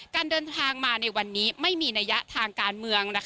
การเดินทางมาในวันนี้ไม่มีนัยยะทางการเมือง